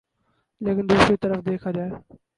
لیکن دوسری طرف دیکھا جائے